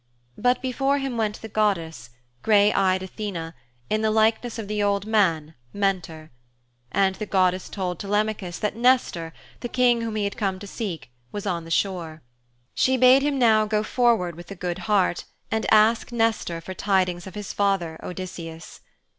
But before him went the goddess, grey eyed Athene, in the likeness of the old man, Mentor. And the goddess told Telemachus that Nestor, the King whom he had come to seek, was on the shore. She bade him now go forward with a good heart and ask Nestor for tidings of his father, Odysseus.